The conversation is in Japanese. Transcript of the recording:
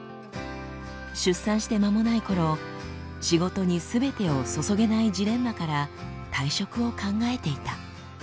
出産して間もない頃仕事に全てを注げないジレンマから退職を考えていた。